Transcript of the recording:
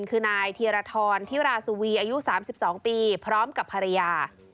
คือนายธีรทรธิราสุวีอายุ๓๒ปีพร้อมกับภรรยา